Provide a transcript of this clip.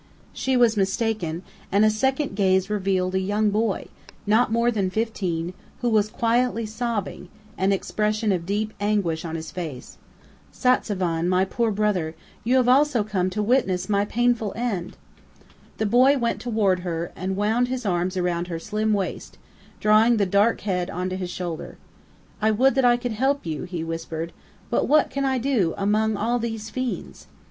She was mistaken, and a second gaze revealed a young boy, not more than fifteen, who was quietly sobbing, an expression of deep anguish on his face. "Satzavan, my poor brother, you also have come to witness my painful end!" The boy went toward her, and wound his arms around her slim waist, drawing the dark head onto his shoulder. "I would that I could help you," he whispered. "But what can I do among all these fiends?"